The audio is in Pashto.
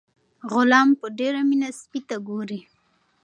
غلام په ډیره مینه سپي ته ګوري.